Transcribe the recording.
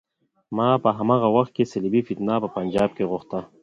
ما په هماغه وخت کې صلیبي فتنه په پنجاب کې غوښته.